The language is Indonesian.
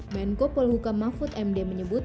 menko polhuka mahfud md menyebut